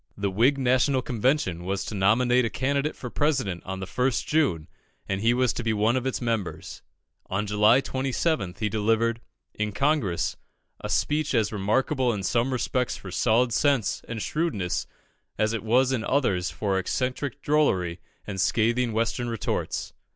The Whig National Convention was to nominate a candidate for President on the 1st June, and he was to be one of its members. On July 27th, he delivered, in Congress, a speech as remarkable in some respects for solid sense and shrewdness as it was in others for eccentric drollery and scathing Western retorts.